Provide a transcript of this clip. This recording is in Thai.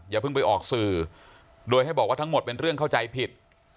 อย่าเพิ่งไปออกสื่อโดยให้บอกว่าทั้งหมดเป็นเรื่องเข้าใจผิด